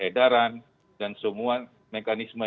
kebenaran dan semua mekanisme